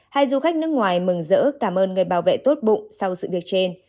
hai du khách nước ngoài mừng rỡ cảm ơn người bảo vệ tốt bụng sau sự việc trên